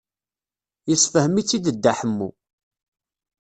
Yessefhem-itt-id Dda Ḥemmu.